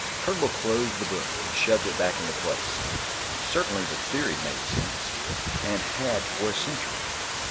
Turnbull closed the book and shoved it back into place. Certainly the theory made sense, and had for a century.